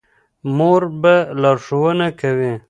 مور به لارښوونه کوي.